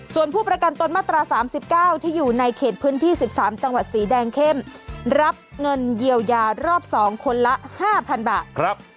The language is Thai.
ส่วนผู้ประกันตนมาตรา๓๙ที่อยู่ในเขตพื้นที่๑๓จังหวัดสีแดงเข้มรับเงินเยียวยารอบ๒คนละ๕๐๐๐บาท